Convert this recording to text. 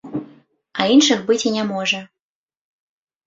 А іншых быць і не можа.